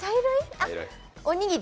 あ、おにぎり？